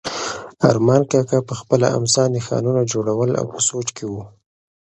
ارمان کاکا په خپله امسا نښانونه جوړول او په سوچ کې و.